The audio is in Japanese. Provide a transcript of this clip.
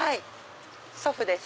祖父です。